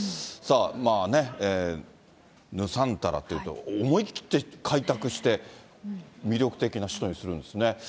さあ、ヌサンタラという、思い切って開拓して、魅力的な首都にするんですね。